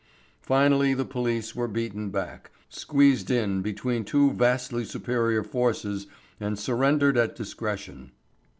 Finally the police were beaten back, squeezed in between two vastly superior forces and surrendered at discretion.